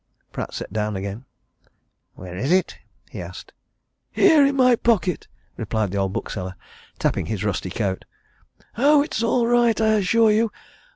Pratt sat down again. "Where is it?" he asked. "Here in my pocket," replied the old bookseller, tapping his rusty coat. "Oh, it's all right, I assure you.